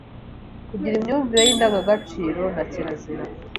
kugira imyumvire y’indangagaciro na kirazira